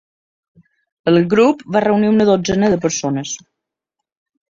El grup va reunir una dotzena de persones.